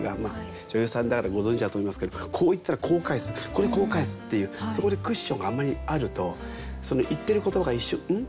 女優さんだからご存じだと思いますけどこう言ったらこう返すこれこう返すっていうそこでクッションがあんまりあると言ってることが一瞬ん？